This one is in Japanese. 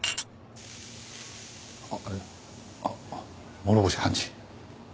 あっいや諸星判事。